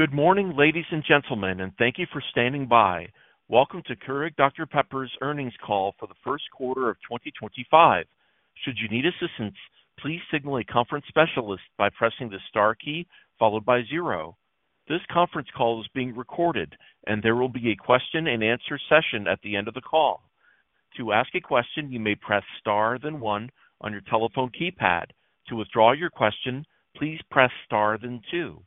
Good morning, ladies and gentlemen, and thank you for standing by. Welcome to Keurig Dr Pepper's Earnings Call For The Q1 of 2025. Should you need assistance, please signal a conference specialist by pressing the star key followed by zero. This conference call is being recorded, and there will be a Q&A session at the end of the call. To ask a question, you may press star then one on your telephone keypad. To withdraw your question, please press star then two.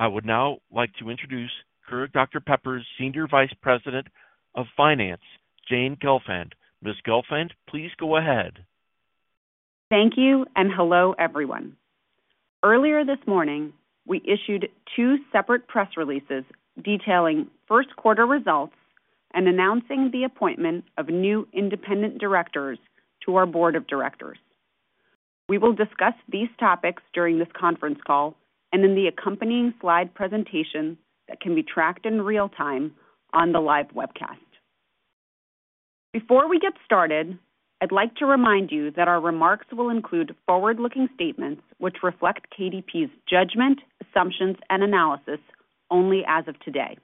I would now like to introduce Keurig Dr Pepper's Senior Vice President of Finance, Jane Gelfand. Ms. Gelfand, please go ahead. Thank you, and hello everyone. Earlier this morning, we issued two separate press releases detailing Q1 results and announcing the appointment of new independent directors to our board of directors. We will discuss these topics during this conference call and in the accompanying slide presentation that can be tracked in real time on the live webcast. Before we get started, I'd like to remind you that our remarks will include forward-looking statements which reflect KDP's judgment, assumptions, and analysis only as of today.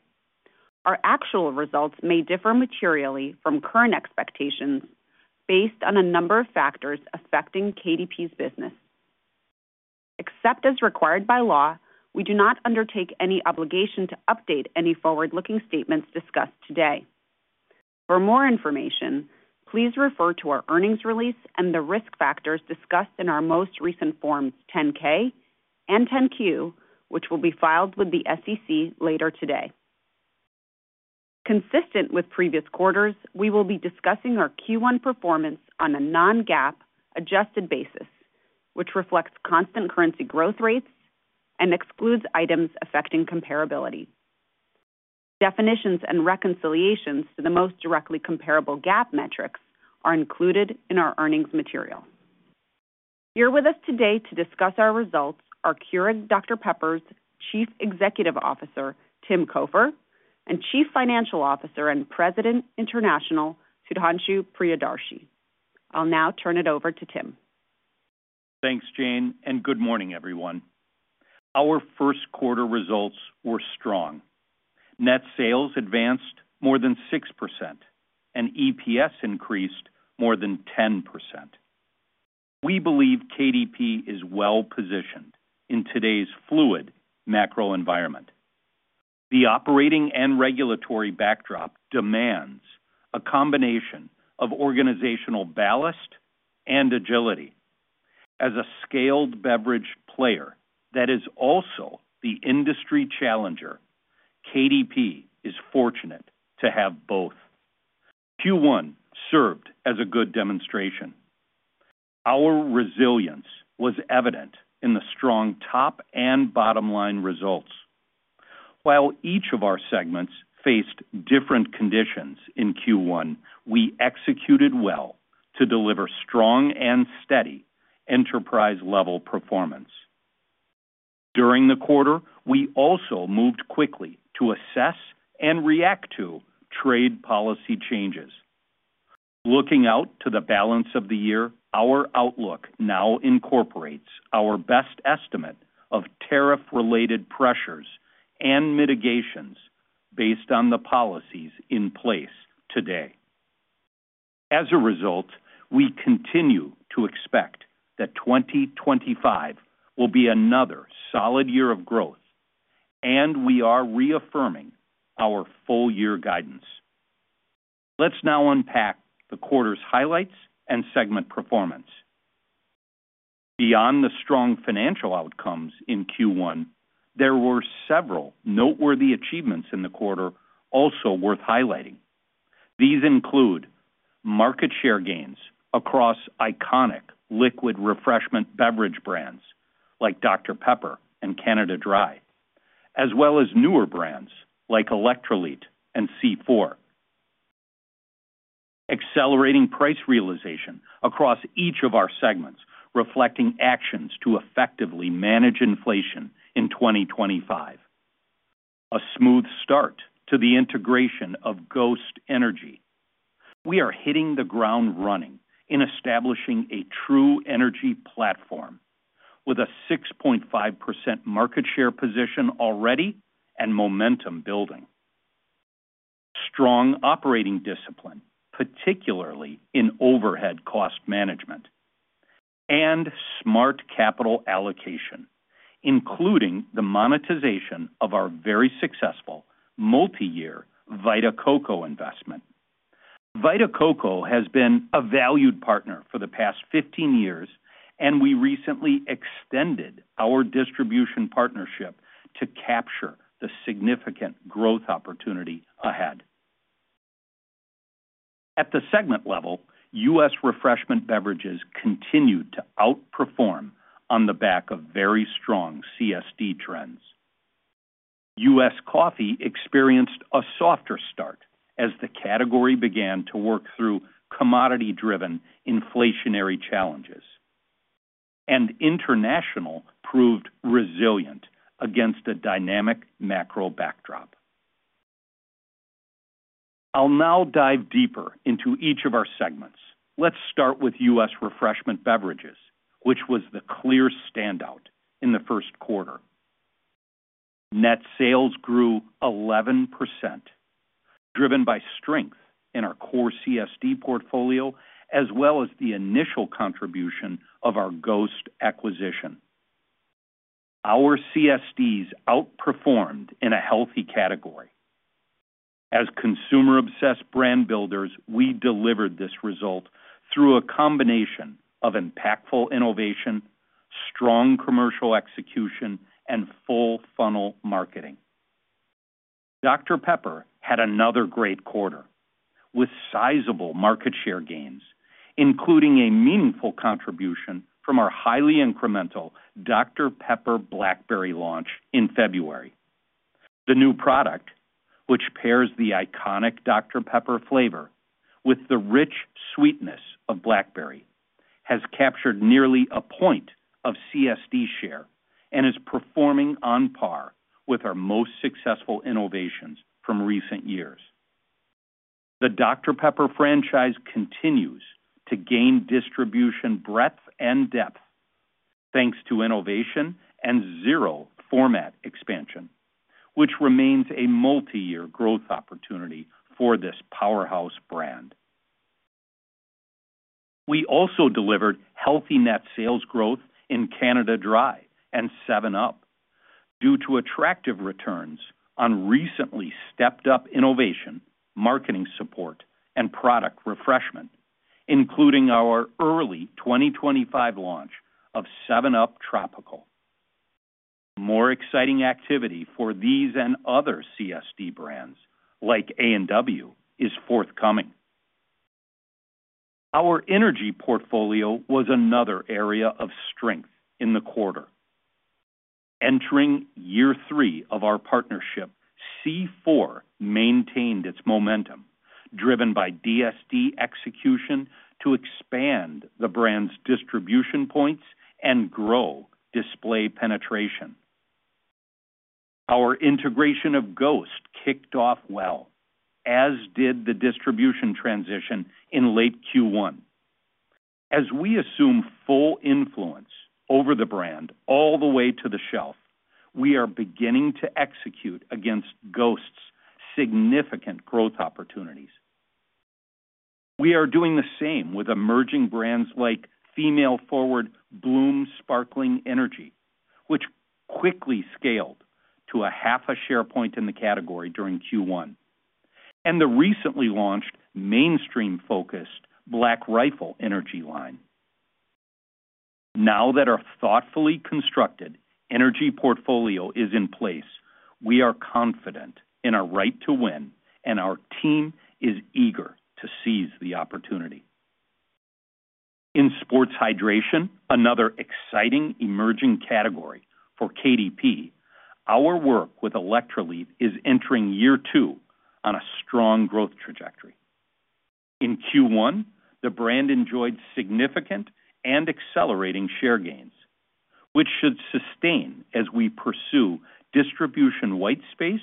Our actual results may differ materially from current expectations based on a number of factors affecting KDP's business. Except as required by law, we do not undertake any obligation to update any forward-looking statements discussed today. For more information, please refer to our earnings release and the risk factors discussed in our most recent forms 10-K and 10-Q, which will be filed with the SEC later today. Consistent with previous quarters, we will be discussing our Q1 performance on a non-GAAP adjusted basis, which reflects constant currency growth rates and excludes items affecting comparability. Definitions and reconciliations to the most directly comparable GAAP metrics are included in our earnings material. Here with us today to discuss our results are Keurig Dr Pepper's Chief Executive Officer, Tim Cofer, and Chief Financial Officer and President International, Sudhanshu Priyadarshi. I'll now turn it over to Tim. Thanks, Jane, and good morning, everyone. Our Q1 results were strong. Net sales advanced more than 6%, and EPS increased more than 10%. We believe KDP is well positioned in today's fluid macro environment. The operating and regulatory backdrop demands a combination of organizational ballast and agility. As a scaled beverage player that is also the industry challenger, KDP is fortunate to have both. Q1 served as a good demonstration. Our resilience was evident in the strong top and bottom line results. While each of our segments faced different conditions in Q1, we executed well to deliver strong and steady enterprise-level performance. During the quarter, we also moved quickly to assess and react to trade policy changes. Looking out to the balance of the year, our outlook now incorporates our best estimate of tariff-related pressures and mitigations based on the policies in place today. As a result, we continue to expect that 2025 will be another solid year of growth, and we are reaffirming our full-year guidance. Let's now unpack the quarter's highlights and segment performance. Beyond the strong financial outcomes in Q1, there were several noteworthy achievements in the quarter also worth highlighting. These include market share gains across iconic liquid refreshment beverage brands like Dr Pepper and Canada Dry, as well as newer brands like Electrolit and C4. Accelerating price realization across each of our segments reflecting actions to effectively manage inflation in 2025. A smooth start to the integration of GHOST Energy. We are hitting the ground running in establishing a true energy platform with a 6.5% market share position already and momentum building. Strong operating discipline, particularly in overhead cost management, and smart capital allocation, including the monetization of our very successful multi-year Vita Coco investment. Vita Coco has been a valued partner for the past 15 years, and we recently extended our distribution partnership to capture the significant growth opportunity ahead. At the segment level, U.S. refreshment beverages continued to outperform on the back of very strong CSD trends. U.S. coffee experienced a softer start as the category began to work through commodity-driven inflationary challenges, and international proved resilient against a dynamic macro backdrop. I'll now dive deeper into each of our segments. Let's start with U.S. refreshment beverages, which was the clear standout in the Q1. Net sales grew 11%, driven by strength in our core CSD portfolio as well as the initial contribution of our GHOST acquisition. Our CSDs outperformed in a healthy category. As consumer-obsessed brand builders, we delivered this result through a combination of impactful innovation, strong commercial execution, and full-funnel marketing. Dr Pepper had another great quarter with sizable market share gains, including a meaningful contribution from our highly incremental Dr Pepper Blackberry launch in February. The new product, which pairs the iconic Dr Pepper flavor with the rich sweetness of blackberry, has captured nearly a point of CSD share and is performing on par with our most successful innovations from recent years. The Dr Pepper franchise continues to gain distribution breadth and depth thanks to innovation and zero format expansion, which remains a multi-year growth opportunity for this powerhouse brand. We also delivered healthy net sales growth in Canada Dry and 7UP due to attractive returns on recently stepped-up innovation, marketing support, and product refreshment, including our early 2025 launch of 7UP Tropical. More exciting activity for these and other CSD brands like A&W is forthcoming. Our energy portfolio was another area of strength in the quarter. Entering year three of our partnership, C4 maintained its momentum, driven by DSD execution to expand the brand's distribution points and grow display penetration. Our integration of GHOST kicked off well, as did the distribution transition in late Q1. As we assume full influence over the brand all the way to the shelf, we are beginning to execute against GHOST's significant growth opportunities. We are doing the same with emerging brands like female-forward Bloom Sparkling Energy, which quickly scaled to a half a share point in the category during Q1, and the recently launched mainstream-focused Black Rifle Energy line. Now that our thoughtfully constructed energy portfolio is in place, we are confident in our right to win, and our team is eager to seize the opportunity. In sports hydration, another exciting emerging category for KDP, our work with Electrolit is entering year two on a strong growth trajectory. In Q1, the brand enjoyed significant and accelerating share gains, which should sustain as we pursue distribution white space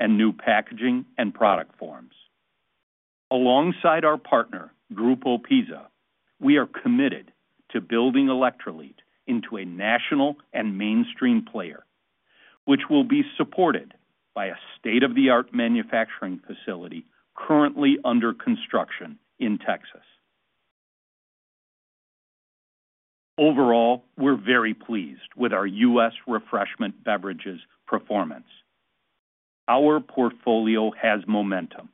and new packaging and product forms. Alongside our partner, Grupo PiSA, we are committed to building Electrolit into a national and mainstream player, which will be supported by a state-of-the-art manufacturing facility currently under construction in Texas. Overall, we're very pleased with our U.S. refreshment beverages performance. Our portfolio has momentum.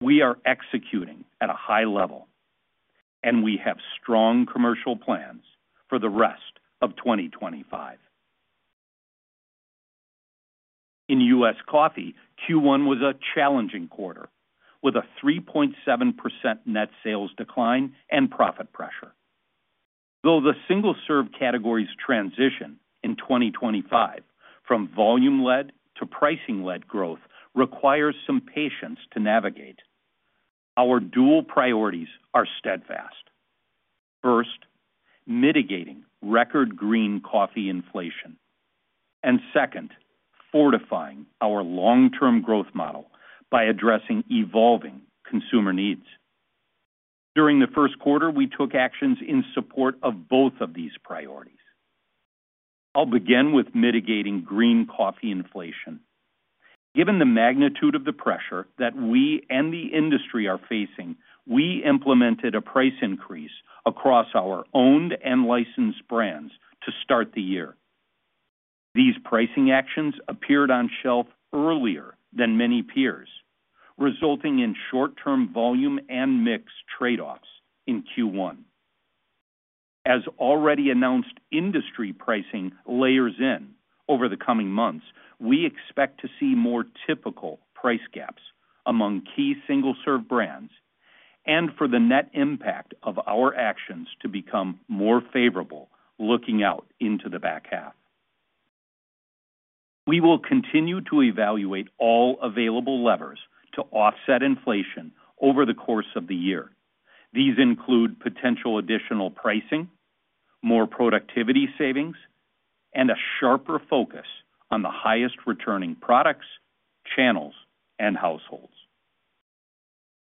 We are executing at a high level, and we have strong commercial plans for the rest of 2025. In U.S. coffee, Q1 was a challenging quarter with a 3.7% net sales decline and profit pressure. Though the single-serve category's transition in 2025 from volume-led to pricing-led growth requires some patience to navigate, our dual priorities are steadfast. First, mitigating record green coffee inflation, and second, fortifying our long-term growth model by addressing evolving consumer needs. During the Q1, we took actions in support of both of these priorities. I'll begin with mitigating green coffee inflation. Given the magnitude of the pressure that we and the industry are facing, we implemented a price increase across our owned and licensed brands to start the year. These pricing actions appeared on shelf earlier than many peers, resulting in short-term volume and mix trade-offs in Q1. As already announced industry pricing layers in over the coming months, we expect to see more typical price gaps among key single-serve brands and for the net impact of our actions to become more favorable looking out into the back half. We will continue to evaluate all available levers to offset inflation over the course of the year. These include potential additional pricing, more productivity savings, and a sharper focus on the highest returning products, channels, and households.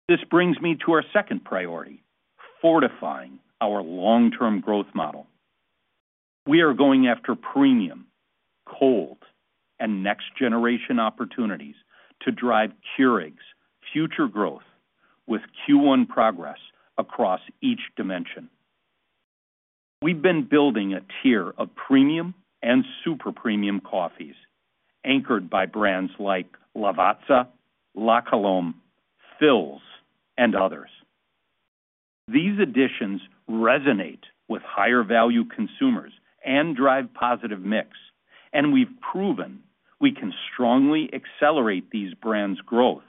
This brings me to our second priority, fortifying our long-term growth model. We are going after premium, cold, and next-generation opportunities to drive Keurig's future growth with Q1 progress across each dimension. We've been building a tier of premium and super premium coffees anchored by brands like Lavazza, La Colombe, Peet's, and others. These additions resonate with higher-value consumers and drive positive mix, and we've proven we can strongly accelerate these brands' growth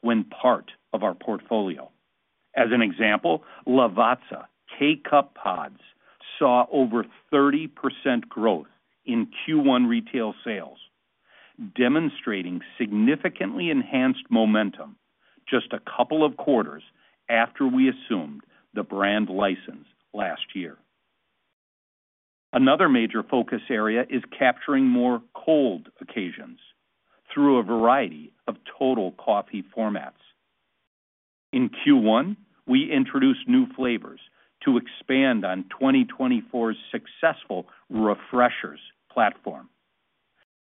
when part of our portfolio. As an example, Lavazza K-Cup Pods saw over 30% growth in Q1 retail sales, demonstrating significantly enhanced momentum just a couple of quarters after we assumed the brand license last year. Another major focus area is capturing more cold occasions through a variety of total coffee formats. In Q1, we introduced new flavors to expand on 2024's successful refreshers platform.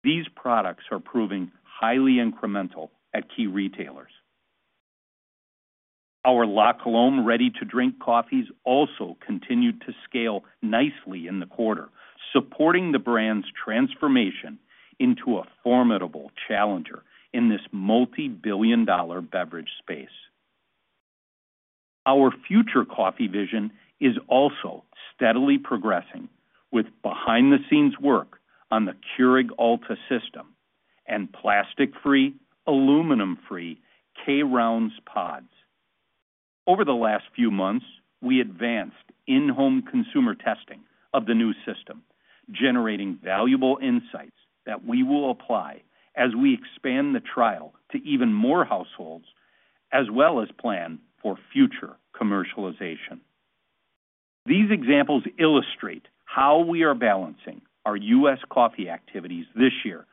These products are proving highly incremental at key retailers. Our La Colombe ready-to-drink coffees also continued to scale nicely in the quarter, supporting the brand's transformation into a formidable challenger in this multi-billion-dollar beverage space. Our future coffee vision is also steadily progressing with behind-the-scenes work on the Keurig Alta system and plastic-free, aluminum-free K-Rounds Pods. Over the last few months, we advanced in-home consumer testing of the new system, generating valuable insights that we will apply as we expand the trial to even more households, as well as plan for future commercialization. These examples illustrate how we are balancing our U.S. coffee activities this year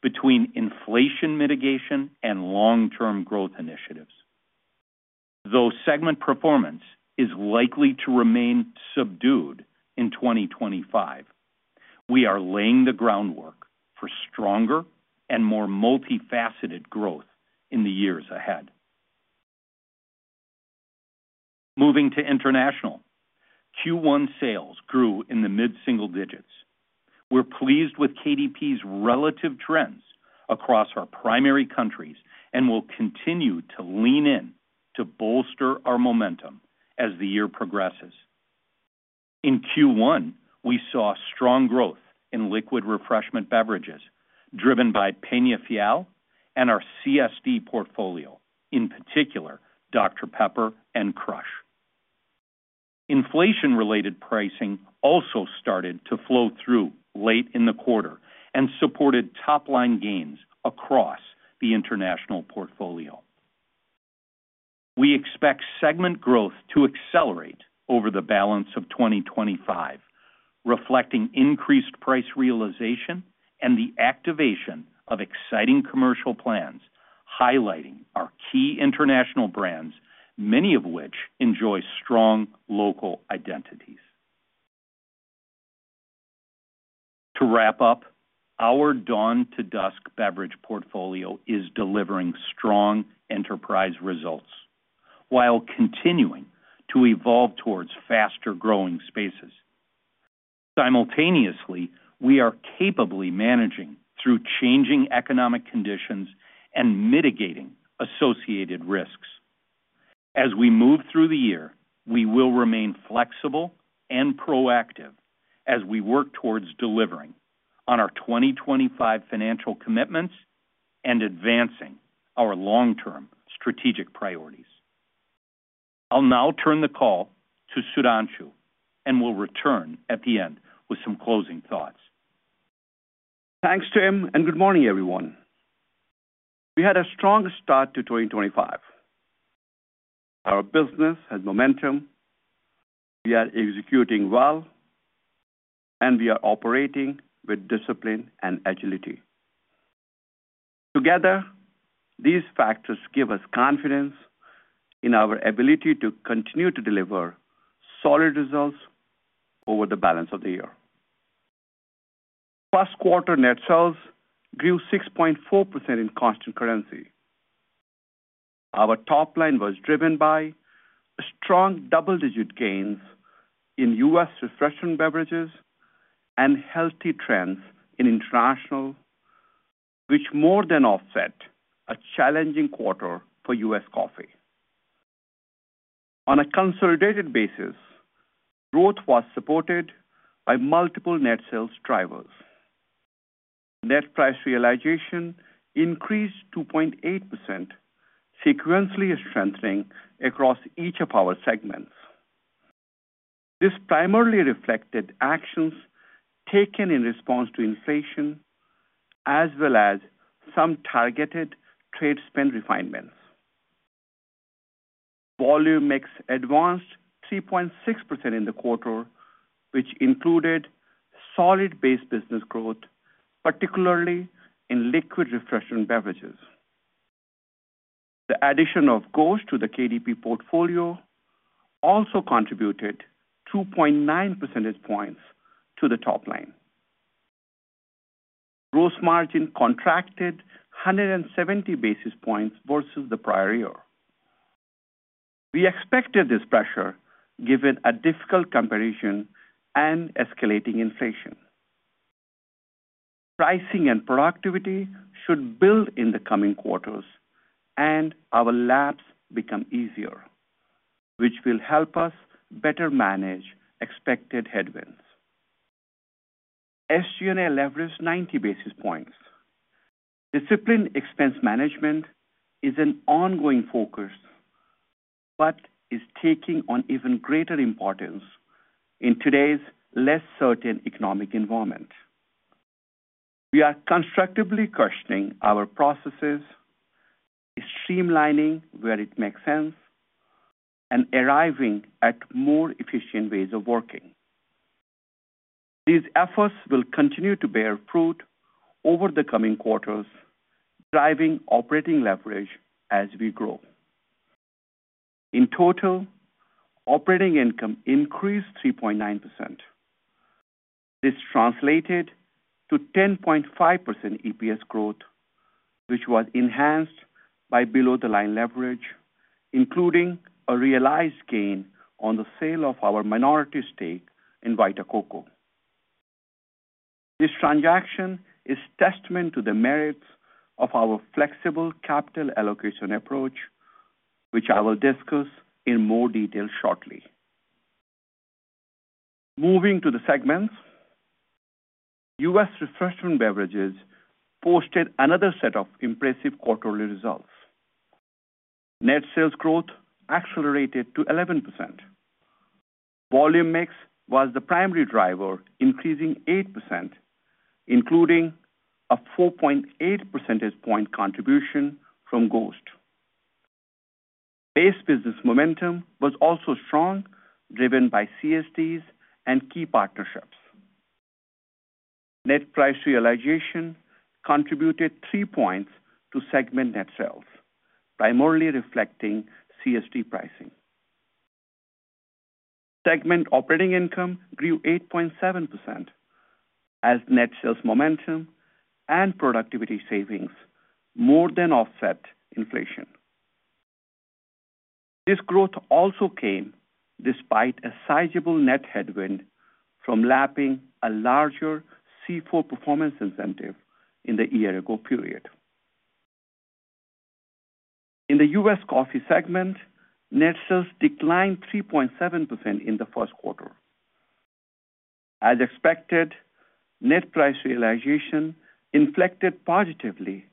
between inflation mitigation and long-term growth initiatives. Though segment performance is likely to remain subdued in 2025, we are laying the groundwork for stronger and more multifaceted growth in the years ahead. Moving to international, Q1 sales grew in the mid-single digits. We're pleased with KDP's relative trends across our primary countries and will continue to lean in to bolster our momentum as the year progresses. In Q1, we saw strong growth in liquid refreshment beverages driven by Peñafiel and our CSD portfolio, in particular Dr Pepper and Crush. Inflation-related pricing also started to flow through late in the quarter and supported top-line gains across the international portfolio. We expect segment growth to accelerate over the balance of 2025, reflecting increased price realization and the activation of exciting commercial plans highlighting our key international brands, many of which enjoy strong local identities. To wrap up, our dawn-to-dusk beverage portfolio is delivering strong enterprise results while continuing to evolve towards faster growing spaces. Simultaneously, we are capably managing through changing economic conditions and mitigating associated risks. As we move through the year, we will remain flexible and proactive as we work towards delivering on our 2025 financial commitments and advancing our long-term strategic priorities. I'll now turn the call to Sudhanshu, and we'll return at the end with some closing thoughts. Thanks, Tim, and good morning, everyone. We had a strong start to 2025. Our business has momentum, we are executing well, and we are operating with discipline and agility. Together, these factors give us confidence in our ability to continue to deliver solid results over the balance of the year. Q1 net sales grew 6.4% in constant currency. Our top line was driven by strong double-digit gains in U.S. refreshment beverages and healthy trends in international, which more than offset a challenging quarter for U.S. coffee. On a consolidated basis, growth was supported by multiple net sales drivers. Net price realization increased 2.8%, sequentially strengthening across each of our segments. This primarily reflected actions taken in response to inflation, as well as some targeted trade-spend refinements. Volume mix advanced 3.6% in the quarter, which included solid base business growth, particularly in liquid refreshment beverages. The addition of GHOST to the KDP portfolio also contributed 2.9 percentage points to the top line. Gross margin contracted 170 basis points versus the prior year. We expected this pressure given a difficult competition and escalating inflation. Pricing and productivity should build in the coming quarters, and our laps become easier, which will help us better manage expected headwinds. SG&A leveraged 90 basis points. Discipline expense management is an ongoing focus but is taking on even greater importance in today's less certain economic environment. We are constructively questioning our processes, streamlining where it makes sense, and arriving at more efficient ways of working. These efforts will continue to bear fruit over the coming quarters, driving operating leverage as we grow. In total, operating income increased 3.9%. This translated to 10.5% EPS growth, which was enhanced by below-the-line leverage, including a realized gain on the sale of our minority stake in Vita Coco. This transaction is a testament to the merits of our flexible capital allocation approach, which I will discuss in more detail shortly. Moving to the segments, U.S. refreshment beverages posted another set of impressive quarterly results. Net sales growth accelerated to 11%. Volume mix was the primary driver, increasing 8%, including a 4.8 percentage point contribution from GHOST. Base business momentum was also strong, driven by CSDs and key partnerships. Net price realization contributed 3 points to segment net sales, primarily reflecting CSD pricing. Segment operating income grew 8.7% as net sales momentum and productivity savings more than offset inflation. This growth also came despite a sizable net headwind from lapping a larger C4 performance incentive in the year-ago period. In the U.S. coffee segment, net sales declined 3.7% in the Q1. As expected, net price realization inflected positively,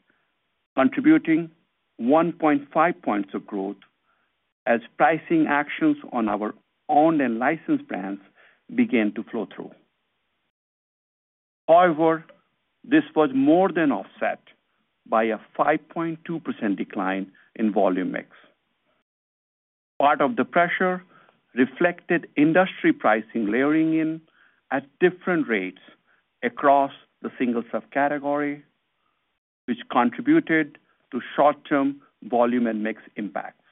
contributing 1.5% of growth as pricing actions on our owned and licensed brands began to flow through. However, this was more than offset by a 5.2% decline in volume mix. Part of the pressure reflected industry pricing layering in at different rates across the single-serve category, which contributed to short-term volume and mix impacts.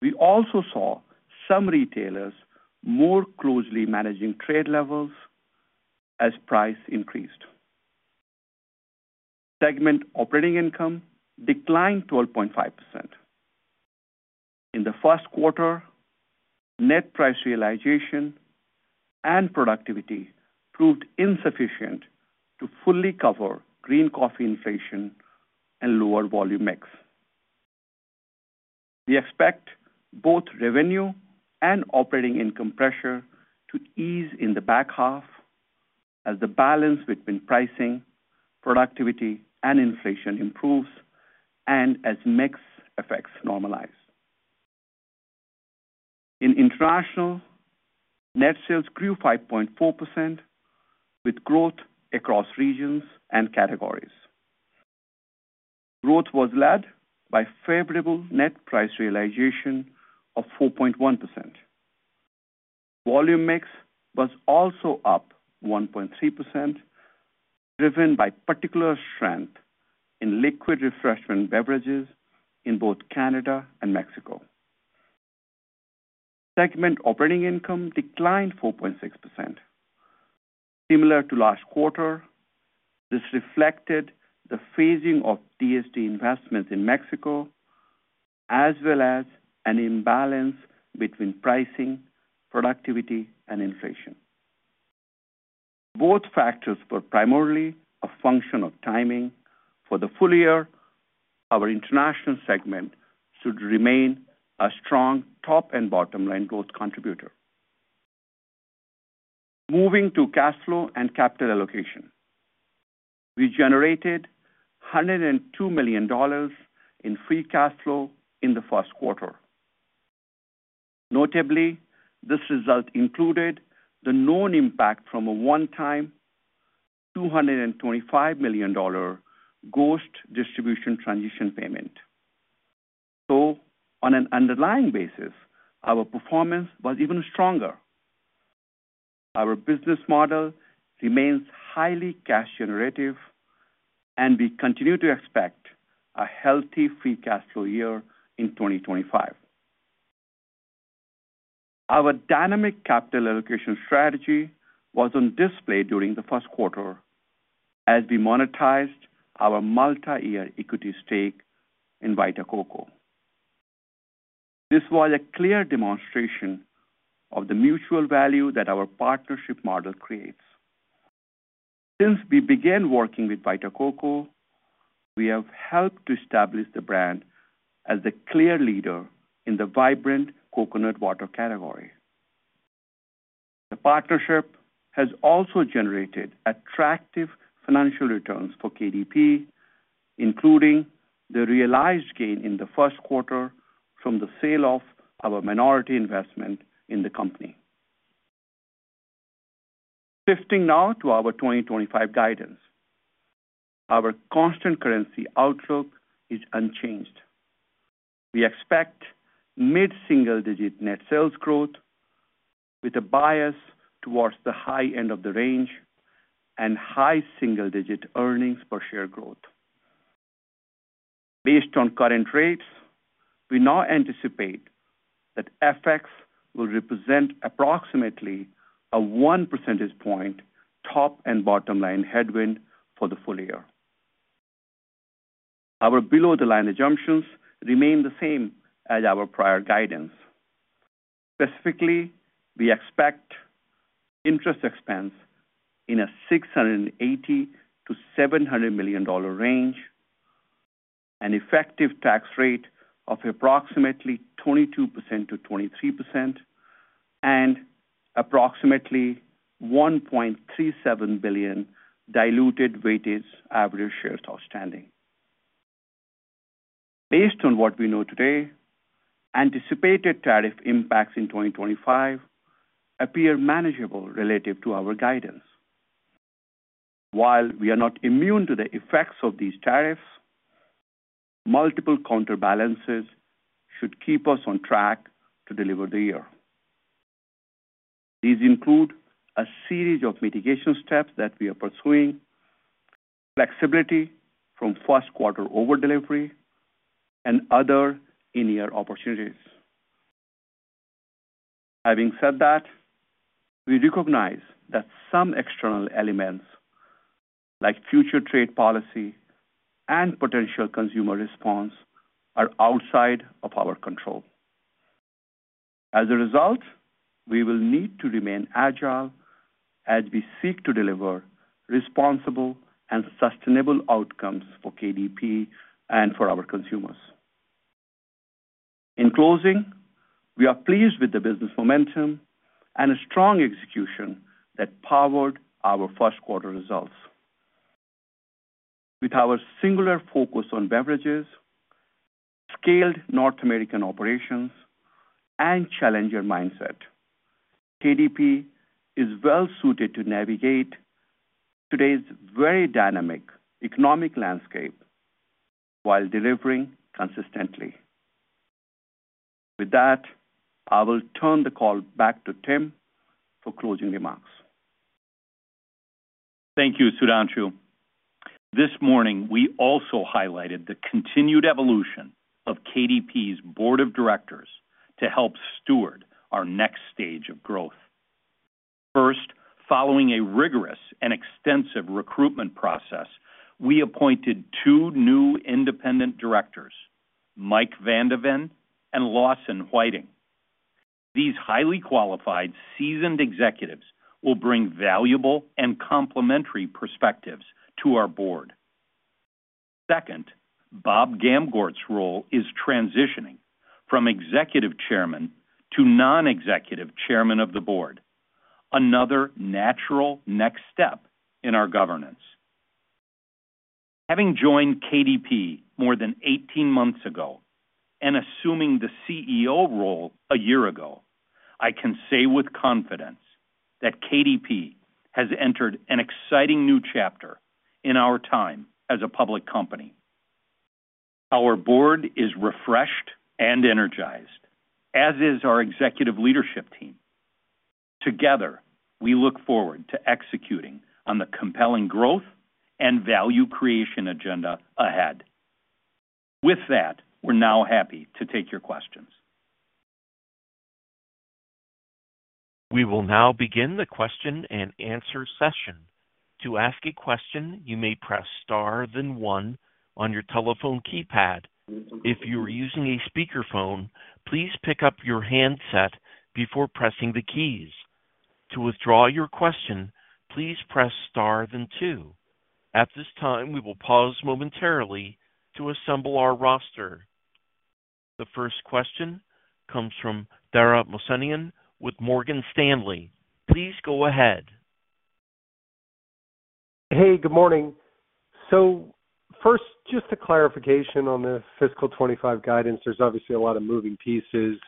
We also saw some retailers more closely managing trade levels as price increased. Segment operating income declined 12.5%. In the Q1, net price realization and productivity proved insufficient to fully cover green coffee inflation and lower volume mix. We expect both revenue and operating income pressure to ease in the back half as the balance between pricing, productivity, and inflation improves and as mix effects normalize. In international, net sales grew 5.4% with growth across regions and categories. Growth was led by favorable net price realization of 4.1%. Volume mix was also up 1.3%, driven by particular strength in liquid refreshment beverages in both Canada and Mexico. Segment operating income declined 4.6%. Similar to last quarter, this reflected the phasing of DSD investments in Mexico, as well as an imbalance between pricing, productivity, and inflation. Both factors were primarily a function of timing. For the full year, our international segment should remain a strong top and bottom-line growth contributor. Moving to cash flow and capital allocation, we generated $102 million in free cash flow in the Q1. Notably, this result included the known impact from a one-time $225 million GHOST distribution transition payment. On an underlying basis, our performance was even stronger. Our business model remains highly cash-generative, and we continue to expect a healthy free cash flow year in 2025. Our dynamic capital allocation strategy was on display during the first quarter as we monetized our multi-year equity stake in Vita Coco. This was a clear demonstration of the mutual value that our partnership model creates. Since we began working with Vita Coco, we have helped to establish the brand as the clear leader in the vibrant coconut water category. The partnership has also generated attractive financial returns for Keurig Dr Pepper, including the realized gain in the first quarter from the sale of our minority investment in the company. Shifting now to our 2025 guidance, our constant currency outlook is unchanged. We expect mid-single-digit net sales growth with a bias towards the high end of the range and high single-digit earnings per share growth. Based on current rates, we now anticipate that FX will represent approximately a 1 percentage point top and bottom-line headwind for the full year. Our below-the-line assumptions remain the same as our prior guidance. Specifically, we expect interest expense in a $680 million-$700 million range, an effective tax rate of approximately 22%-23%, and approximately $1.37 billion diluted weighted average shares outstanding. Based on what we know today, anticipated tariff impacts in 2025 appear manageable relative to our guidance. While we are not immune to the effects of these tariffs, multiple counterbalances should keep us on track to deliver the year. These include a series of mitigation steps that we are pursuing: flexibility from first-quarter overdelivery and other in-year opportunities. Having said that, we recognize that some external elements, like future trade policy and potential consumer response, are outside of our control. As a result, we will need to remain agile as we seek to deliver responsible and sustainable outcomes for KDP and for our consumers. In closing, we are pleased with the business momentum and a strong execution that powered our first-quarter results. With our singular focus on beverages, scaled North American operations, and challenger mindset, KDP is well-suited to navigate today's very dynamic economic landscape while delivering consistently. With that, I will turn the call back to Tim for closing remarks. Thank you, Sudhanshu. This morning, we also highlighted the continued evolution of KDP's board of directors to help steward our next stage of growth. First, following a rigorous and extensive recruitment process, we appointed two new independent directors, Mike Van de Ven and Lawson Whiting. These highly qualified, seasoned executives will bring valuable and complementary perspectives to our board. Second, Bob Gamgort's role is transitioning from Executive Chairman to Non-Executive Chairman of the board, another natural next step in our governance. Having joined KDP more than 18 months ago and assuming the CEO role a year ago, I can say with confidence that KDP has entered an exciting new chapter in our time as a public company. Our board is refreshed and energized, as is our executive leadership team. Together, we look forward to executing on the compelling growth and value creation agenda ahead. With that, we're now happy to take your questions. We will now begin the Q&A session. To ask a question, you may press star then one on your telephone keypad. If you are using a speakerphone, please pick up your handset before pressing the keys. To withdraw your question, please press star then two. At this time, we will pause momentarily to assemble our roster. The first question comes from Dara Mohsenian with Morgan Stanley. Please go ahead. Hey, good morning. Just a clarification on the fiscal 2025 guidance. There's obviously a lot of moving pieces.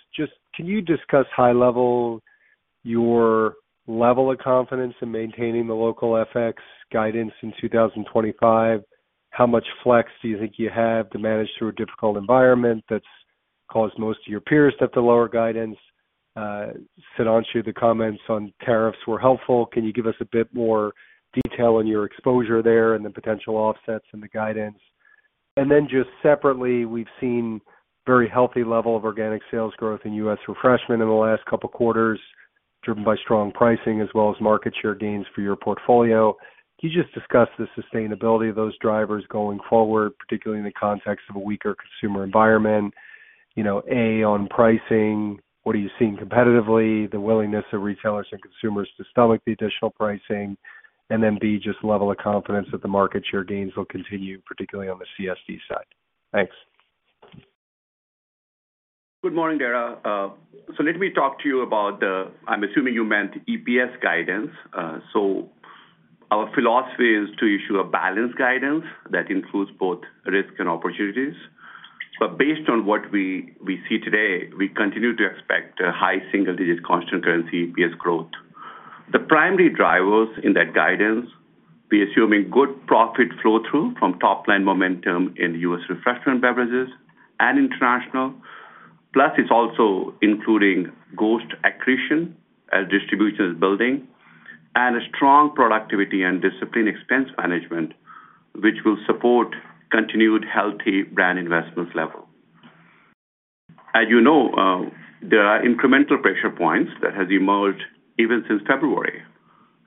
Can you discuss high level your level of confidence in maintaining the local FX guidance in 2025? How much flex do you think you have to manage through a difficult environment that's caused most of your peers to have to lower guidance? Sudhanshu, the comments on tariffs were helpful. Can you give us a bit more detail on your exposure there and the potential offsets in the guidance? Just separately, we've seen a very healthy level of organic sales growth in the U.S. refreshment in the last couple of quarters, driven by strong pricing as well as market share gains for your portfolio. Can you just discuss the sustainability of those drivers going forward, particularly in the context of a weaker consumer environment? A, on pricing, what are you seeing competitively? The willingness of retailers and consumers to stomach the additional pricing? B, just the level of confidence that the market share gains will continue, particularly on the CSD side. Thanks. Good morning, Dara. Let me talk to you about the, I'm assuming you meant EPS guidance. Our philosophy is to issue a balanced guidance that includes both risk and opportunities. Based on what we see today, we continue to expect high single-digit constant currency EPS growth. The primary drivers in that guidance, we're assuming good profit flow-through from top-line momentum in U.S. refreshment beverages and international. Plus, it's also including GHOST accretion as distribution is building and a strong productivity and discipline expense management, which will support continued healthy brand investment level. As you know, there are incremental pressure points that have emerged even since February.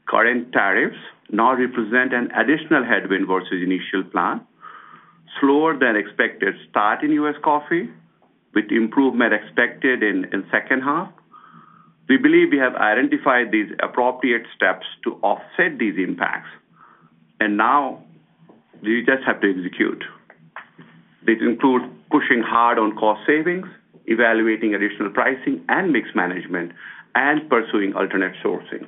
Current tariffs now represent an additional headwind versus the initial plan. Slower than expected start in U.S. coffee, with improvement expected in the second half. We believe we have identified these appropriate steps to offset these impacts. We just have to execute. This includes pushing hard on cost savings, evaluating additional pricing and mix management, and pursuing alternate sourcing.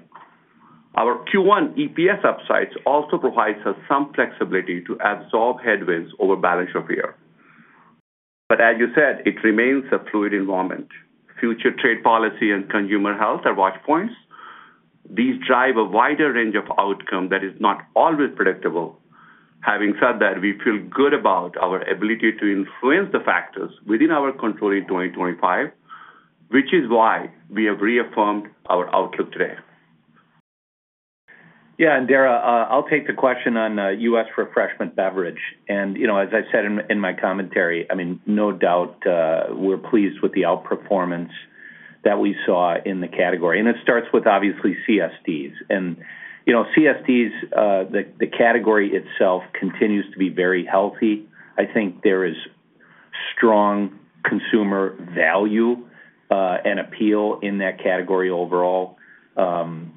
Our Q1 EPS upsides also provide us some flexibility to absorb headwinds over balance of year. As you said, it remains a fluid environment. Future trade policy and consumer health are watchpoints. These drive a wider range of outcomes that is not always predictable. Having said that, we feel good about our ability to influence the factors within our control in 2025, which is why we have reaffirmed our outlook today. Yeah, and Dara, I'll take the question on U.S. refreshment beverage. As I said in my commentary, I mean, no doubt we're pleased with the outperformance that we saw in the category. It starts with, obviously, CSDs. CSDs, the category itself continues to be very healthy. I think there is strong consumer value and appeal in that category overall and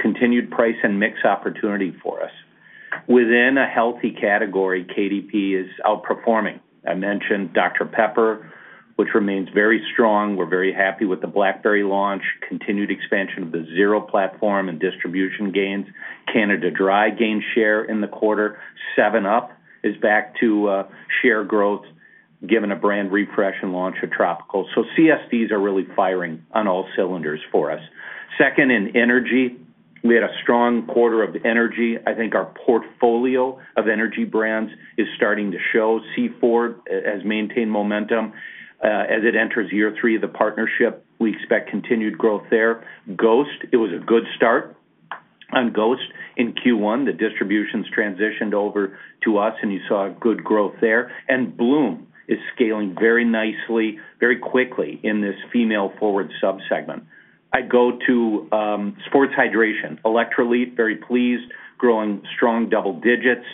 continued price and mix opportunity for us. Within a healthy category, KDP is outperforming. I mentioned Dr Pepper, which remains very strong. We're very happy with the Blackberry launch, continued expansion of the Xero platform and distribution gains. Canada Dry gained share in the quarter. 7UP is back to share growth, given a brand refresh and launch of Tropical. CSDs are really firing on all cylinders for us. Second, in energy, we had a strong quarter of energy. I think our portfolio of energy brands is starting to show. C4 has maintained momentum as it enters year three of the partnership. We expect continued growth there. GHOST, it was a good start. On GHOST, in Q1, the distributions transitioned over to us, and you saw good growth there. And Bloom is scaling very nicely, very quickly in this female-forward subsegment. I go to sports hydration. Electrolit, very pleased, growing strong double digits.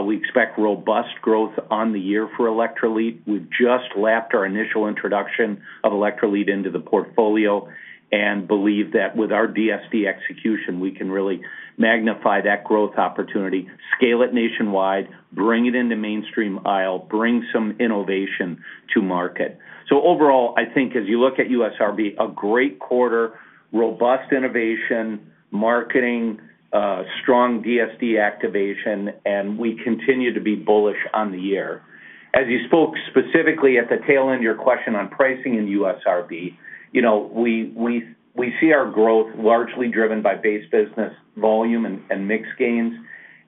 We expect robust growth on the year for Electrolit. We've just lapped our initial introduction of Electrolit into the portfolio and believe that with our DSD execution, we can really magnify that growth opportunity, scale it nationwide, bring it into mainstream aisle, bring some innovation to market. Overall, I think as you look at USRB, a great quarter, robust innovation, marketing, strong DSD activation, and we continue to be bullish on the year. As you spoke specifically at the tail end of your question on pricing in USRB, we see our growth largely driven by base business volume and mixed gains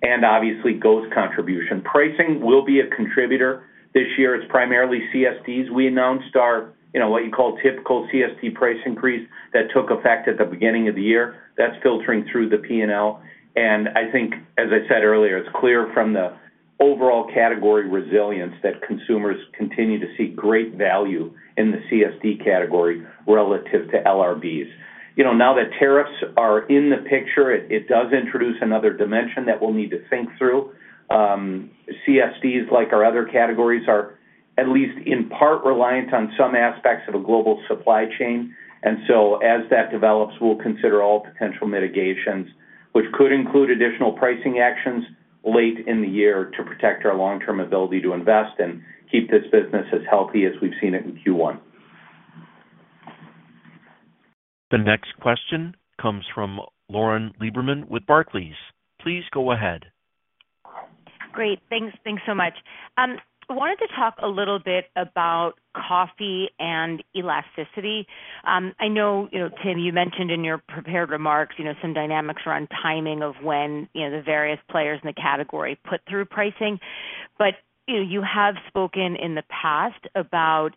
and obviously GHOST contribution. Pricing will be a contributor this year. It's primarily CSDs. We announced our, what you call, typical CSD price increase that took effect at the beginning of the year. That's filtering through the P&L. I think, as I said earlier, it's clear from the overall category resilience that consumers continue to see great value in the CSD category relative to LRBs. Now that tariffs are in the picture, it does introduce another dimension that we'll need to think through. CSDs, like our other categories, are at least in part reliant on some aspects of a global supply chain. As that develops, we'll consider all potential mitigations, which could include additional pricing actions late in the year to protect our long-term ability to invest and keep this business as healthy as we've seen it in Q1. The next question comes from Lauren Lieberman with Barclays. Please go ahead. Great. Thanks so much. I wanted to talk a little bit about coffee and elasticity. I know, Tim, you mentioned in your prepared remarks some dynamics around timing of when the various players in the category put through pricing. You have spoken in the past about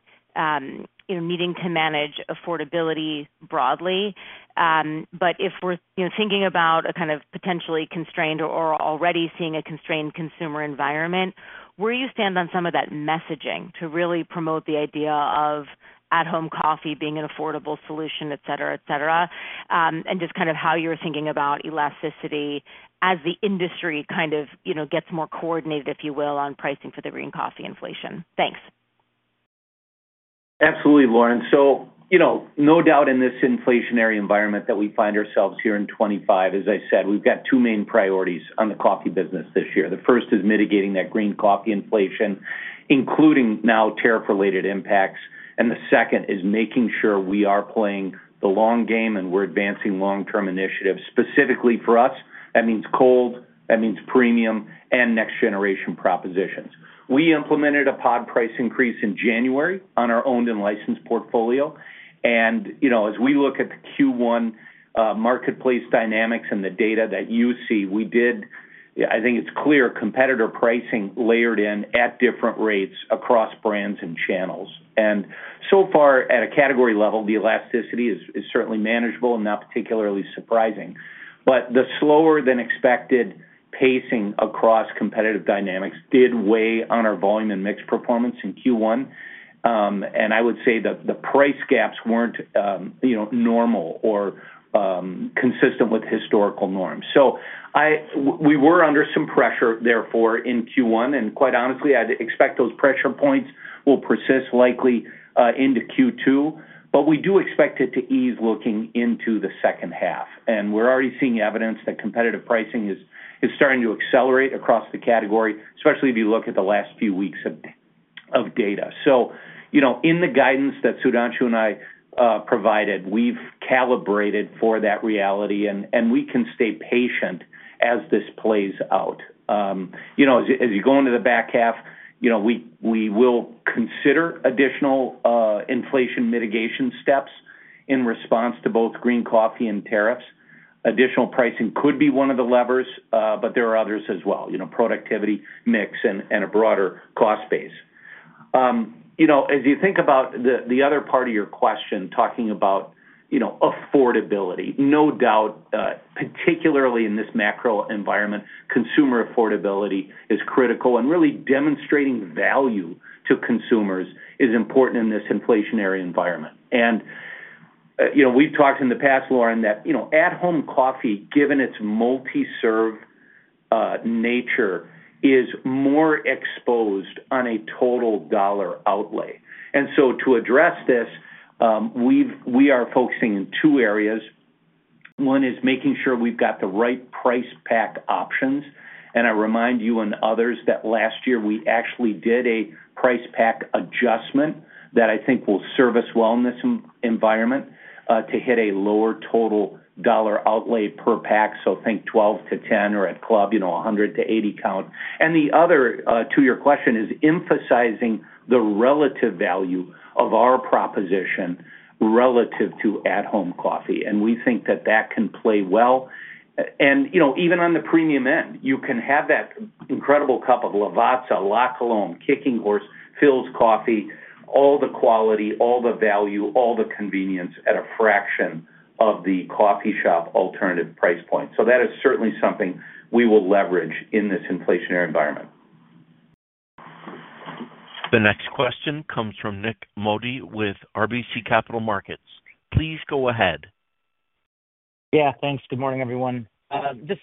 needing to manage affordability broadly. If we're thinking about a kind of potentially constrained or already seeing a constrained consumer environment, where do you stand on some of that messaging to really promote the idea of at-home coffee being an affordable solution, etc., etc., and just kind of how you're thinking about elasticity as the industry kind of gets more coordinated, if you will, on pricing for the green coffee inflation? Thanks. Absolutely, Lauren. No doubt in this inflationary environment that we find ourselves here in 2025, as I said, we've got two main priorities on the coffee business this year. The first is mitigating that green coffee inflation, including now tariff-related impacts. The second is making sure we are playing the long game and we're advancing long-term initiatives. Specifically for us, that means cold, that means premium, and next-generation propositions. We implemented a pod price increase in January on our owned and licensed portfolio. As we look at the Q1 marketplace dynamics and the data that you see, we did, I think it's clear, competitor pricing layered in at different rates across brands and channels. So far, at a category level, the elasticity is certainly manageable and not particularly surprising. The slower-than-expected pacing across competitive dynamics did weigh on our volume and mix performance in Q1. I would say that the price gaps were not normal or consistent with historical norms. We were under some pressure, therefore, in Q1. Quite honestly, I'd expect those pressure points will persist likely into Q2. We do expect it to ease looking into the second half. We're already seeing evidence that competitive pricing is starting to accelerate across the category, especially if you look at the last few weeks of data. In the guidance that Sudhanshu and I provided, we've calibrated for that reality, and we can stay patient as this plays out. As you go into the back half, we will consider additional inflation mitigation steps in response to both green coffee and tariffs. Additional pricing could be one of the levers, but there are others as well: productivity, mix, and a broader cost base. As you think about the other part of your question, talking about affordability, no doubt, particularly in this macro environment, consumer affordability is critical. Really demonstrating value to consumers is important in this inflationary environment. We've talked in the past, Lauren, that at-home coffee, given its multi-serve nature, is more exposed on a total dollar outlay. To address this, we are focusing in two areas. One is making sure we've got the right price pack options. I remind you and others that last year we actually did a price pack adjustment that I think will serve us well in this environment to hit a lower total dollar outlay per pack. Think 12 to 10 or at club, 100 to 80 count. The other to your question is emphasizing the relative value of our proposition relative to at-home coffee. We think that that can play well. Even on the premium end, you can have that incredible cup of Lavazza, La Colombe, Kicking Horse, Peet's Coffee, all the quality, all the value, all the convenience at a fraction of the coffee shop alternative price point. That is certainly something we will leverage in this inflationary environment. The next question comes from Nik Modi with RBC Capital Markets. Please go ahead. Yeah, thanks. Good morning, everyone. Just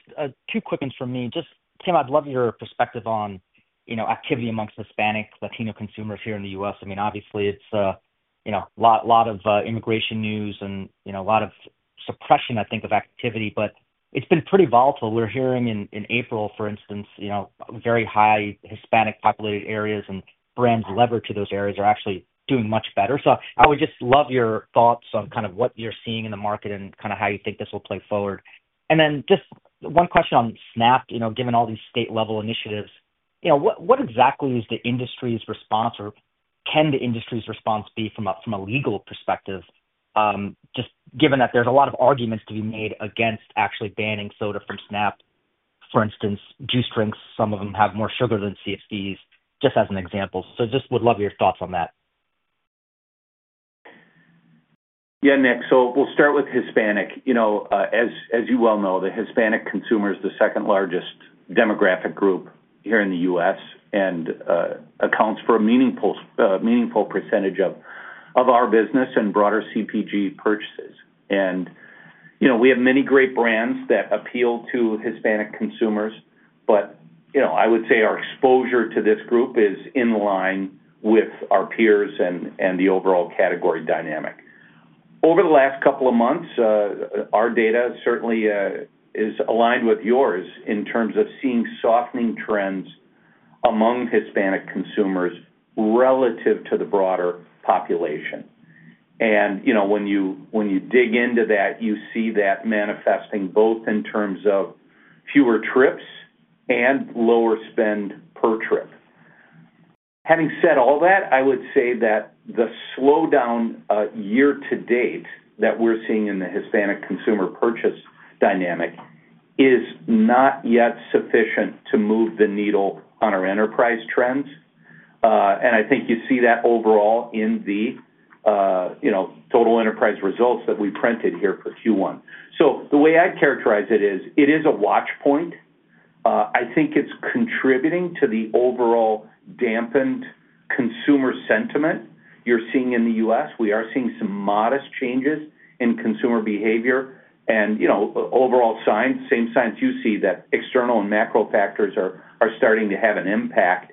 two quick ones from me. Just, Tim, I'd love your perspective on activity amongst Hispanic Latino consumers here in the U.S. I mean, obviously, it's a lot of immigration news and a lot of suppression, I think, of activity. It's been pretty volatile. We're hearing in April, for instance, very high Hispanic-populated areas and brands levered to those areas are actually doing much better. I would just love your thoughts on kind of what you're seeing in the market and kind of how you think this will play forward. Just one question on SNAP, given all these state-level initiatives, what exactly is the industry's response or can the industry's response be from a legal perspective, just given that there's a lot of arguments to be made against actually banning soda from SNAP? For instance, juice drinks, some of them have more sugar than CSDs, just as an example. I would love your thoughts on that. Yeah, Nik. We'll start with Hispanic. As you well know, the Hispanic consumer is the second largest demographic group here in the U.S. and accounts for a meaningful percentage of our business and broader CPG purchases. We have many great brands that appeal to Hispanic consumers. I would say our exposure to this group is in line with our peers and the overall category dynamic. Over the last couple of months, our data certainly is aligned with yours in terms of seeing softening trends among Hispanic consumers relative to the broader population. When you dig into that, you see that manifesting both in terms of fewer trips and lower spend per trip. Having said all that, I would say that the slowdown year to date that we're seeing in the Hispanic consumer purchase dynamic is not yet sufficient to move the needle on our enterprise trends. I think you see that overall in the total enterprise results that we printed here for Q1. The way I'd characterize it is it is a watchpoint. I think it's contributing to the overall dampened consumer sentiment you're seeing in the U.S. We are seeing some modest changes in consumer behavior and overall signs, same signs you see that external and macro factors are starting to have an impact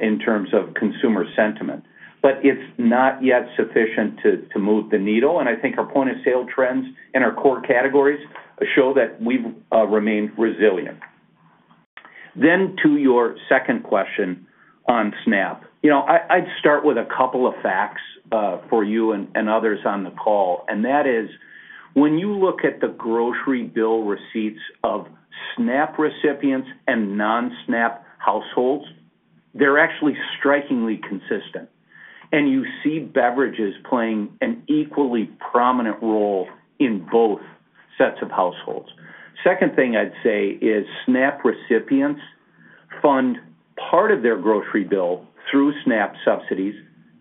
in terms of consumer sentiment. It is not yet sufficient to move the needle. I think our point of sale trends in our core categories show that we've remained resilient. To your second question on SNAP, I'd start with a couple of facts for you and others on the call. That is, when you look at the grocery bill receipts of SNAP recipients and non-SNAP households, they're actually strikingly consistent. You see beverages playing an equally prominent role in both sets of households. Second thing I'd say is SNAP recipients fund part of their grocery bill through SNAP subsidies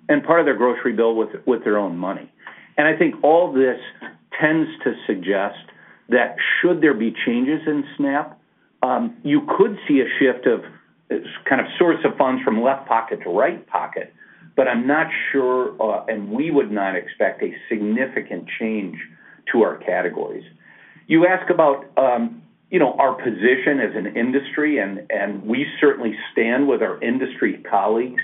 and part of their grocery bill with their own money. I think all this tends to suggest that should there be changes in SNAP, you could see a shift of kind of source of funds from left pocket to right pocket. I am not sure, and we would not expect a significant change to our categories. You ask about our position as an industry, and we certainly stand with our industry colleagues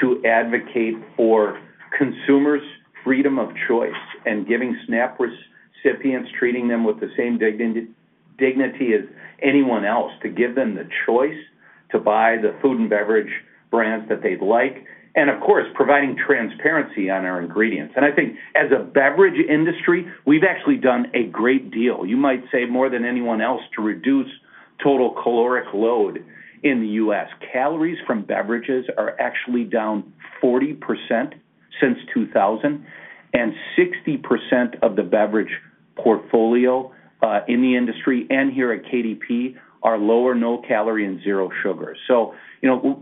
to advocate for consumers' freedom of choice and giving SNAP recipients, treating them with the same dignity as anyone else, to give them the choice to buy the food and beverage brands that they'd like. Of course, providing transparency on our ingredients. I think as a beverage industry, we have actually done a great deal. You might say more than anyone else to reduce total caloric load in the U.S. Calories from beverages are actually down 40% since 2000. Sixty percent of the beverage portfolio in the industry and here at KDP are lower, no calorie, and zero sugar.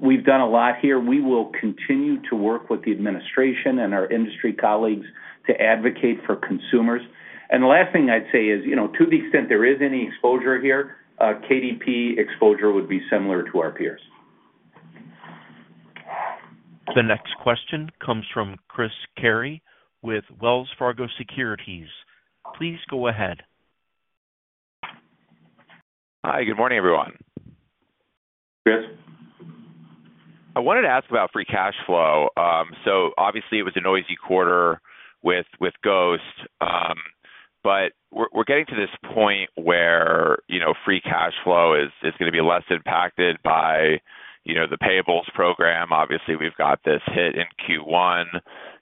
We have done a lot here. We will continue to work with the administration and our industry colleagues to advocate for consumers. The last thing I would say is, to the extent there is any exposure here, KDP exposure would be similar to our peers. The next question comes from Chris Carey with Wells Fargo Securities. Please go ahead. Hi. Good morning, everyone. I wanted to ask about free cash flow. Obviously, it was a noisy quarter with GHOST. We are getting to this point where free cash flow is going to be less impacted by the payables program. We have this hit in Q1.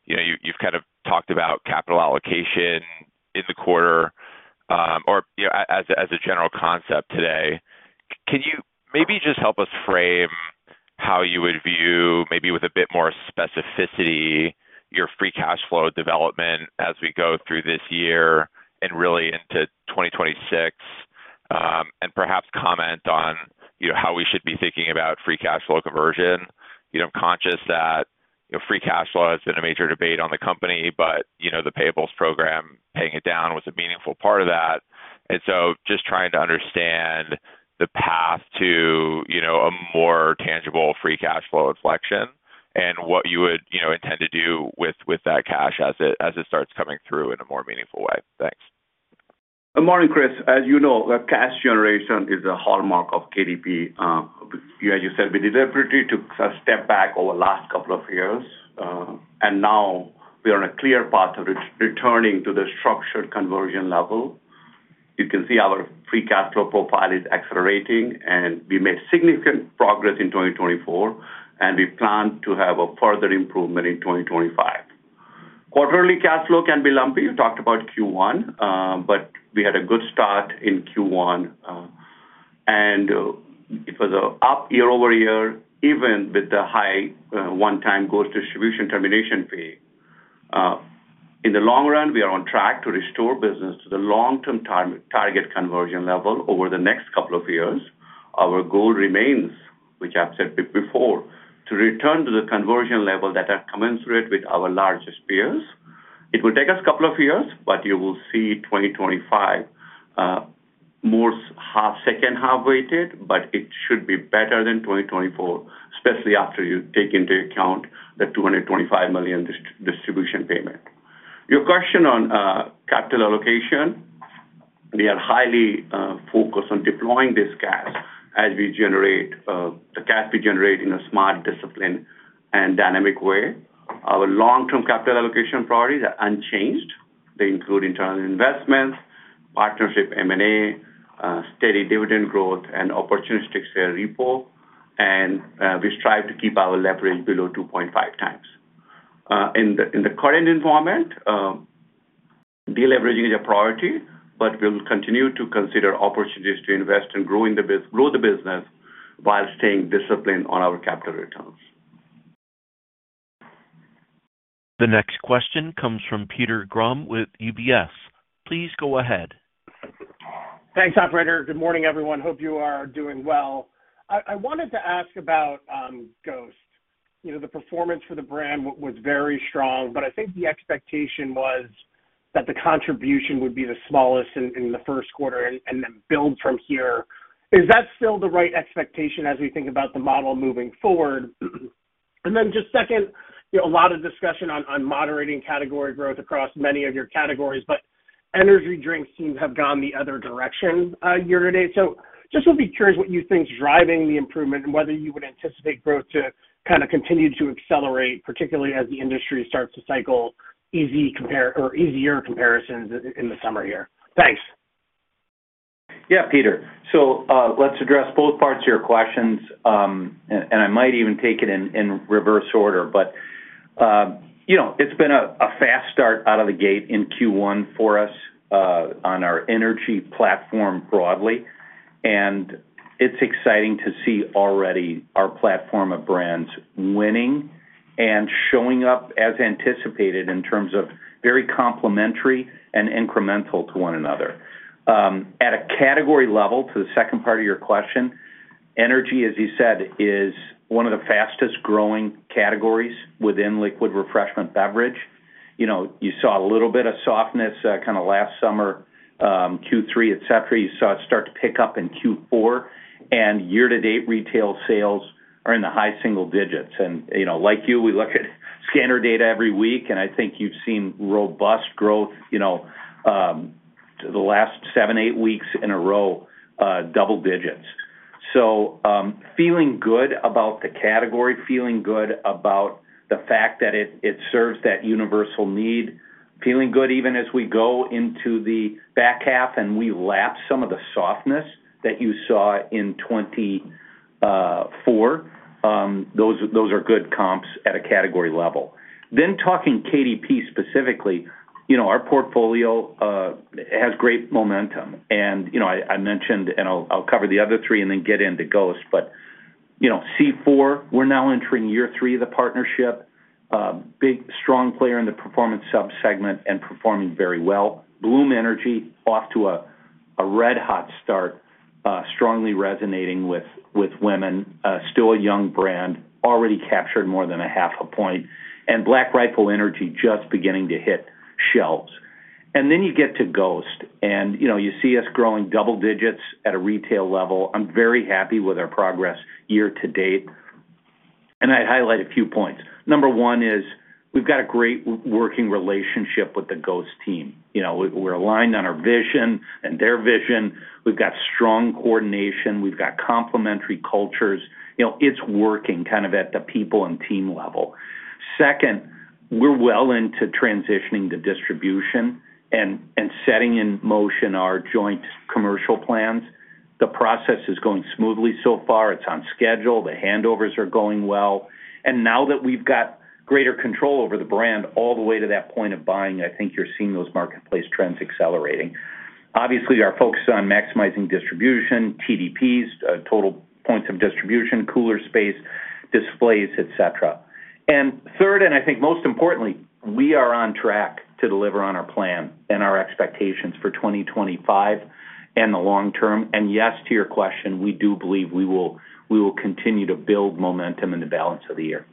You have kind of talked about capital allocation in the quarter or as a general concept today. Can you maybe just help us frame how you would view, maybe with a bit more specificity, your free cash flow development as we go through this year and really into 2026? Perhaps comment on how we should be thinking about free cash flow conversion. I'm conscious that free cash flow has been a major debate on the company, but the payables program, paying it down was a meaningful part of that. Just trying to understand the path to a more tangible free cash flow inflection and what you would intend to do with that cash as it starts coming through in a more meaningful way. Thanks. Good morning, Chris. As you know, the cash generation is a hallmark of KDP. As you said, we deliberately took a step back over the last couple of years. We are on a clear path of returning to the structured conversion level. You can see our free cash flow profile is accelerating, and we made significant progress in 2024. We plan to have a further improvement in 2025. Quarterly cash flow can be lumpy. You talked about Q1, but we had a good start in Q1. It was an up year over year, even with the high one-time GHOST distribution termination fee. In the long run, we are on track to restore business to the long-term target conversion level over the next couple of years. Our goal remains, which I've said before, to return to the conversion level that are commensurate with our largest peers. It will take us a couple of years, but you will see 2025 more half-second, half-weighted. It should be better than 2024, especially after you take into account the $225 million distribution payment. Your question on capital allocation, we are highly focused on deploying this cash as we generate the cash we generate in a smart, disciplined, and dynamic way. Our long-term capital allocation priorities are unchanged. They include internal investments, partnership M&A, steady dividend growth, and opportunistic share repo. We strive to keep our leverage below 2.5x. In the current environment, deleveraging is a priority, but we'll continue to consider opportunities to invest and grow the business while staying disciplined on our capital returns. The next question comes from Peter Grom with UBS. Please go ahead. Thanks, Operator. Good morning, everyone. Hope you are doing well. I wanted to ask about GHOST.The performance for the brand was very strong, but I think the expectation was that the contribution would be the smallest in the first quarter and then build from here. Is that still the right expectation as we think about the model moving forward? Just second, a lot of discussion on moderating category growth across many of your categories, but energy drinks seem to have gone the other direction year to date. Just would be curious what you think is driving the improvement and whether you would anticipate growth to kind of continue to accelerate, particularly as the industry starts to cycle easier comparisons in the summer here. Thanks. Yeah, Peter. Let's address both parts of your questions. I might even take it in reverse order. It's been a fast start out of the gate in Q1 for us on our energy platform broadly.It is exciting to see already our platform of brands winning and showing up as anticipated in terms of very complementary and incremental to one another. At a category level, to the second part of your question, energy, as you said, is one of the fastest growing categories within liquid refreshment beverage. You saw a little bit of softness kind of last summer, Q3, etc. You saw it start to pick up in Q4. Year to date, retail sales are in the high single digits. Like you, we look at scanner data every week. I think you have seen robust growth the last seven, eight weeks in a row, double digits. Feeling good about the category, feeling good about the fact that it serves that universal need, feeling good even as we go into the back half and we lap some of the softness that you saw in 2024, those are good comps at a category level. Talking KDP specifically, our portfolio has great momentum. I mentioned, and I'll cover the other three and then get into GHOST. C4, we're now entering year three of the partnership, big strong player in the performance subsegment and performing very well. Bloom Energy off to a red-hot start, strongly resonating with women, still a young brand, already captured more than a half a point. Black Rifle Energy just beginning to hit shelves. You get to GHOST, and you see us growing double digits at a retail level. I'm very happy with our progress year to date. I'd highlight a few points. Number one is we've got a great working relationship with the GHOST team. We're aligned on our vision and their vision. We've got strong coordination. We've got complementary cultures. It's working kind of at the people and team level. Second, we're well into transitioning to distribution and setting in motion our joint commercial plans. The process is going smoothly so far. It's on schedule. The handovers are going well. Now that we've got greater control over the brand all the way to that point of buying, I think you're seeing those marketplace trends accelerating. Obviously, our focus is on maximizing distribution, TDPs, total points of distribution, cooler space, displays, etc. Third, and I think most importantly, we are on track to deliver on our plan and our expectations for 2025 and the long term. Yes, to your question, we do believe we will continue to build momentum in the balance of the year.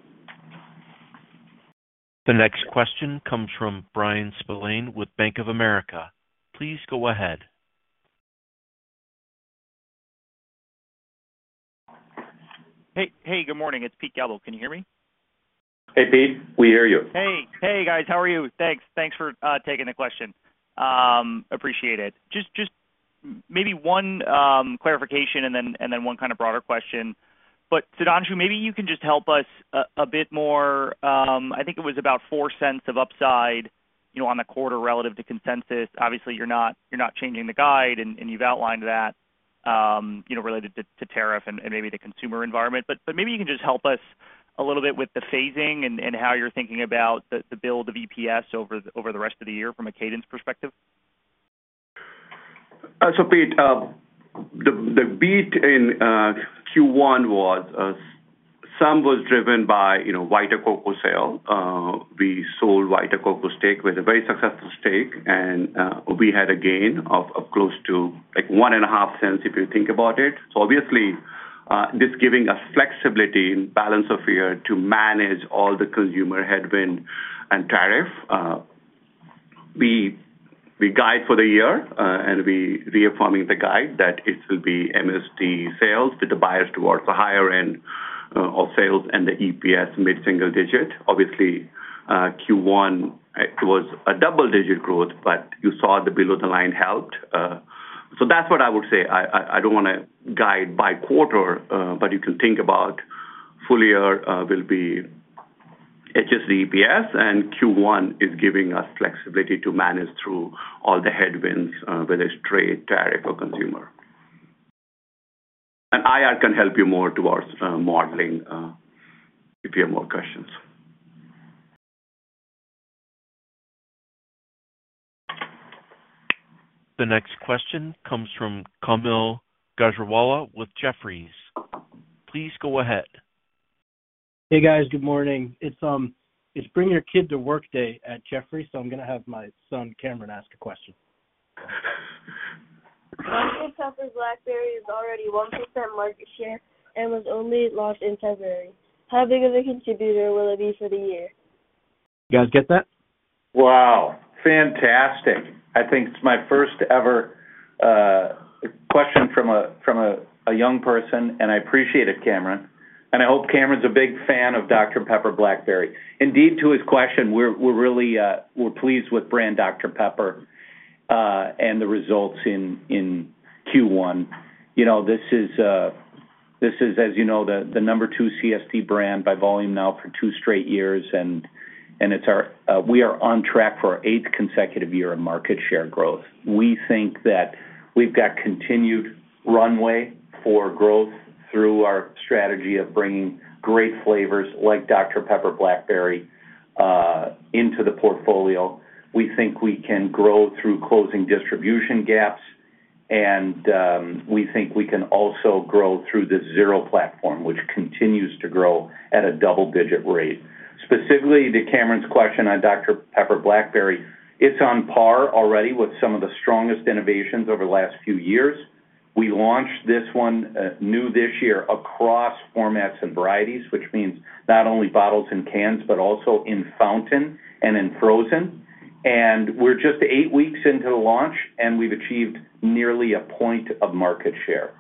The next question comes from Brian Spillane with Bank of America. Please go ahead. Hey, good morning. It's Pete Galbo. Can you hear me? Hey, Pete. We hear you. Hey, guys. How are you? Thanks. Thanks for taking the question. Appreciate it. Just maybe one clarification and then one kind of broader question. Sudhanshu, maybe you can just help us a bit more. I think it was about $0.04 of upside on the quarter relative to consensus. Obviously, you're not changing the guide, and you've outlined that related to tariff and maybe the consumer environment. Maybe you can just help us a little bit with the phasing and how you're thinking about the build of EPS over the rest of the year from a cadence perspective. Pete, the beat in Q1 was driven by Vita Coco sale. We sold Vita Coco stake. We had a very successful stake, and we had a gain of close to $0.015 if you think about it. This is giving us flexibility and balance of year to manage all the consumer headwind and tariff. We guide for the year, and we're reaffirming the guide that it will be MST sales with the bias towards the higher end of sales and the EPS mid-single digit. Q1 was a double-digit growth, but you saw the below-the-line helped. That's what I would say. I don't want to guide by quarter, but you can think about full year will be HSD EPS, and Q1 is giving us flexibility to manage through all the headwinds, whether it's trade, tariff, or consumer. IR can help you more towards modeling if you have more questions. The next question comes from Kaumil Gajrawala with Jefferies. Please go ahead. Hey, guys. Good morning. It's bring your kid to work day at Jefferies, so I'm going to have my son Cameron ask a question. My name is Cameron. Dr Pepper Blackberry is already 1% market share and was only launched in February. How big of a contributor will it be for the year? You guys get that? Wow. Fantastic. I think it's my first ever question from a young person, and I appreciate it, Cameron. I hope Cameron's a big fan of Dr Pepper Blackberry. Indeed, to his question, we're really pleased with brand Dr Pepper and the results in Q1. This is, as you know, the number two CSD brand by volume now for two straight years. We are on track for our eighth consecutive year of market share growth. We think that we've got continued runway for growth through our strategy of bringing great flavors like Dr Pepper Blackberry into the portfolio. We think we can grow through closing distribution gaps, and we think we can also grow through the Zero platform, which continues to grow at a double-digit rate. Specifically to Cameron's question on Dr Pepper Blackberry, it's on par already with some of the strongest innovations over the last few years. We launched this one new this year across formats and varieties, which means not only bottles and cans, but also in fountain and in frozen. We are just eight weeks into the launch, and we've achieved nearly a point of market share.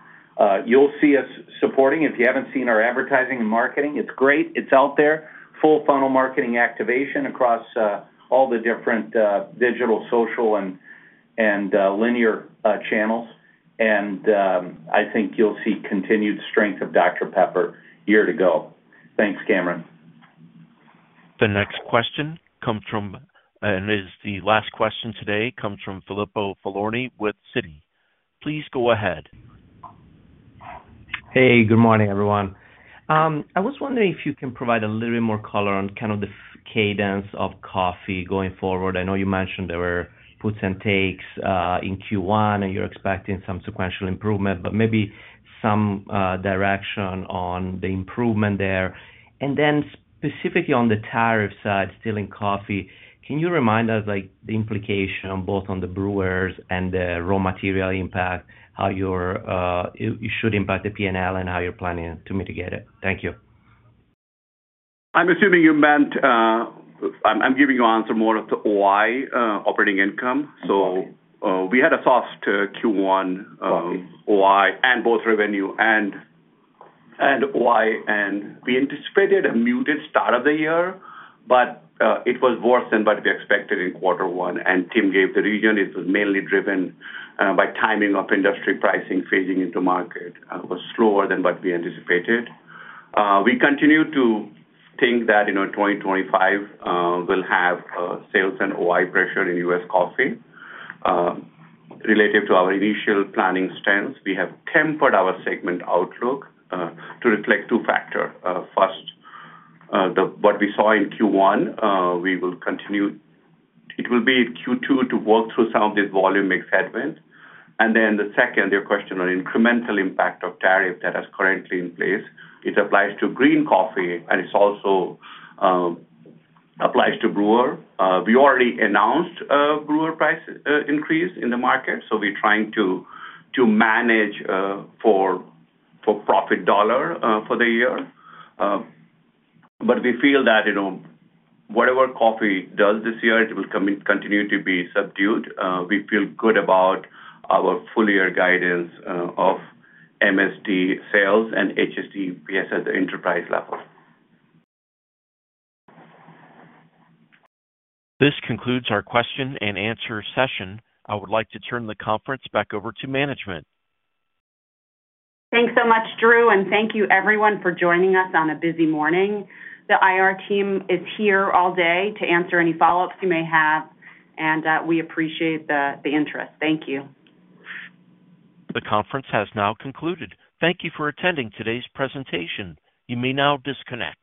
You'll see us supporting. If you haven't seen our advertising and marketing, it's great. It's out there. Full funnel marketing activation across all the different digital, social, and linear channels. I think you'll see continued strength of Dr Pepper year to go. Thanks, Cameron. The next question comes from, and it is the last question today, comes from Filippo Falorni with Citi. Please go ahead. Hey, good morning, everyone. I was wondering if you can provide a little bit more color on kind of the cadence of coffee going forward. I know you mentioned there were puts and takes in Q1, and you're expecting some sequential improvement, but maybe some direction on the improvement there. Then specifically on the tariff side still in coffee, can you remind us the implication both on the brewers and the raw material impact, how you should impact the P&L and how you're planning to mitigate it? Thank you. I'm assuming you meant I'm giving you answer more of the OI operating income. We had a soft Q1 OI and both revenue and OI, and we anticipated a muted start of the year, but it was worse than what we expected in quarter one. Tim gave the region. It was mainly driven by timing of industry pricing phasing into market. It was slower than what we anticipated. We continue to think that in 2025, we'll have sales and OI pressure in U.S. coffee. Related to our initial planning stance, we have tempered our segment outlook to reflect two factors. First, what we saw in Q1, we will continue it will be Q2 to work through some of the volume excitement. The second, your question on incremental impact of tariff that is currently in place, it applies to green coffee, and it also applies to brewer. We already announced a brewer price increase in the market. We are trying to manage for profit dollar for the year. We feel that whatever coffee does this year, it will continue to be subdued. We feel good about our full year guidance of MST sales and HSD EPS at the enterprise level. This concludes our Q&A session. I would like to turn the conference back over to management. Thanks so much, Drew, and thank you everyone for joining us on a busy morning. The IR team is here all day to answer any follow-ups you may have, and we appreciate the interest. Thank you. The conference has now concluded. Thank you for attending today's presentation. You may now disconnect.